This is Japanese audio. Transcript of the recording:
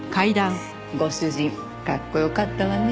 ご主人かっこ良かったわね。